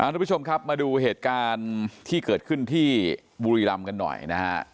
ทุกผู้ชมครับมาดูเหตุการณ์ที่เกิดขึ้นที่บุรีรำกันหน่อยนะฮะ